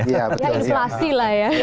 ya inflasi lah ya